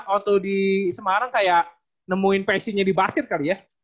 waktu di semarang kayak nemuin passionnya di basket kali ya